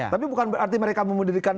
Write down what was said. tapi bukan berarti mereka memudirikan